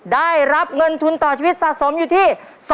ได้รับเงินทุนต่อชีวิตสะสมอยู่ที่